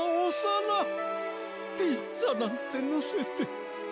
ピッツァなんてのせて。